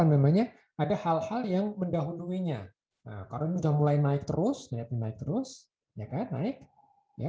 namanya ada hal hal yang mendahulunya karena udah mulai naik terus naik terus naik naik ya